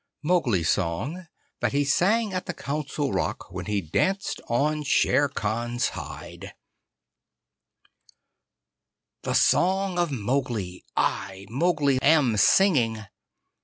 Mowgli's Song THAT HE SANG AT THE COUNCIL ROCK WHEN HE DANCED ON SHERE KHAN'S HIDE The Song of Mowgli I, Mowgli, am singing.